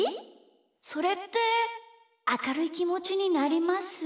それってあかるいきもちになります？